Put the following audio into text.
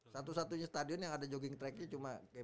satu satunya stadion yang ada jogging tracknya cuma